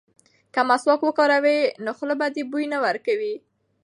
که مسواک وکاروې نو خوله به دې بوی نه کوي.